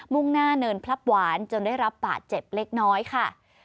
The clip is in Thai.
่งหน้าเนินพลับหวานจนได้รับบาดเจ็บเล็กน้อยค่ะ